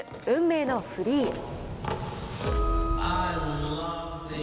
運命のフリー。